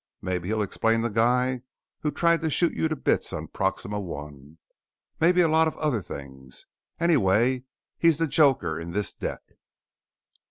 Maybe he'll explain the guy who tried to shoot you to bits on Proxima I. Maybe a lot of other things. Anyway, he's the joker in this deck."